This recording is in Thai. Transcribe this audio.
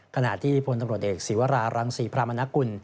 ขณะที่พลตำรวจเอกศีวรารังศรีพรามนกุล